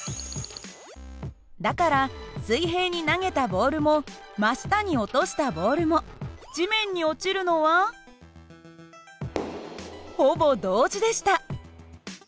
だから水平に投げたボールも真下に落としたボールも地面に落ちるのはほぼ同時でした。